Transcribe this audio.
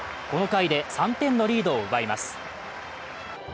この回で３点のリードを奪います。